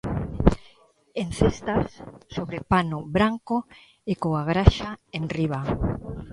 En cestas, sobre pano branco e coa graxa enriba.